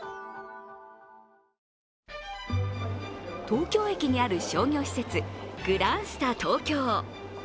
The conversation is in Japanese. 東京駅にある商業施設グランスタ東京。